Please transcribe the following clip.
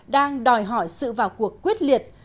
đang đòi hỏi sự vào cuộc quyết liệt